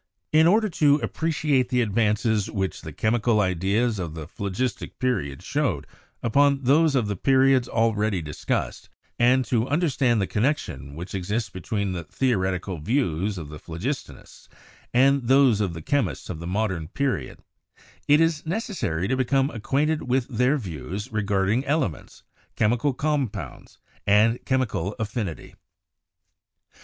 In order to appreciate the advances which the chemical ideas of the Phlogistic Period showed upon those of the periods already discussed and to understand the connec tion which exists between the theoretical views of the phlogistonists and those of the chemists of the Modern Period, it is necessary to become acquainted with their views regarding elements, chemical compounds and chemi cal affinity.